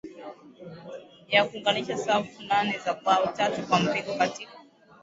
Ya kuunganisha safu nane za bao tatu kwa mpigo katika